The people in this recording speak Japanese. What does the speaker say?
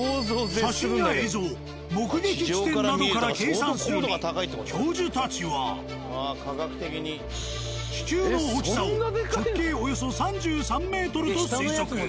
写真や映像目撃地点などから計算するに教授たちは気球の大きさを直径およそ３３ｍと推測。